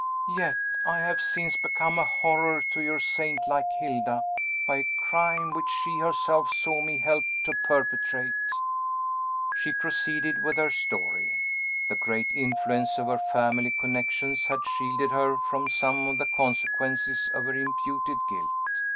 "Yet I have since become a horror to your saint like Hilda, by a crime which she herself saw me help to perpetrate!" She proceeded with her story. The great influence of her family connections had shielded her from some of the consequences of her imputed guilt.